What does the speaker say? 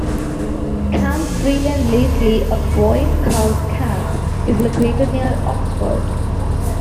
Camp Freeland Leslie, a Boy Scout camp, is located near Oxford.